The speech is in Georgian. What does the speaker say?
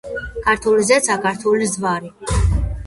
ქართული ზეცა, ქართული ზვარი,